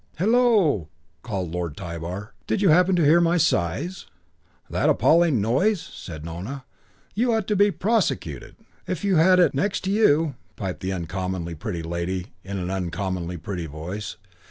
"Hullo!" called Lord Tybar. "Did you happen to hear my sighs?" "That appalling noise!" said Nona. "You ought to be prosecuted!" "If you'd had it next to you!" piped the uncommonly pretty lady in an uncommonly pretty voice.